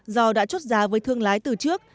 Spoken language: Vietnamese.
do đã chốt giá với thương lái từ trước